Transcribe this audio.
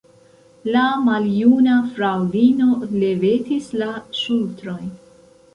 La maljuna fraŭlino levetis la ŝultrojn.